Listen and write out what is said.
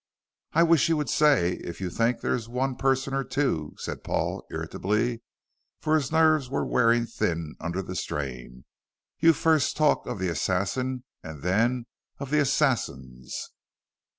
"I wish you would say if you think there is one person or two," said Paul, irritably, for his nerves were wearing thin under the strain. "You first talk of the assassin and then of the assassins."